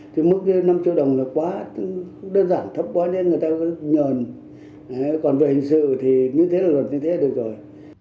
thì mức năm triệu đồng là quá đơn giản thấp quá nên người ta có nhờn còn về hình sự thì như thế là luật như thế được rồi